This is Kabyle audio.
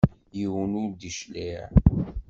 Yiwen ur d-icliɛ.